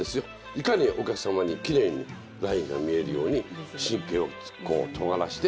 いかにお客様にきれいにラインが見えるように神経をとがらせて。